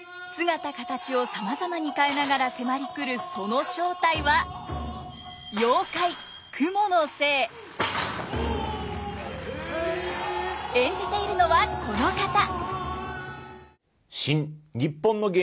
姿形をさまざまに変えながら迫りくるその正体は演じているのはこの方。